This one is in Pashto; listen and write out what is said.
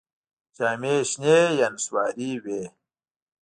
جامې یې شنې یا نسواري وې.